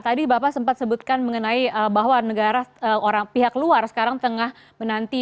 tadi bapak sempat sebutkan mengenai bahwa pihak luar sekarang tengah menanti